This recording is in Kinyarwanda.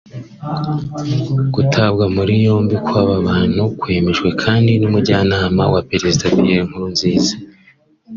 Gutabwa muri yombi kw’aba bantu kwemejwe kandi n’Umujyanama wa Perezida Pierre Nkurunziza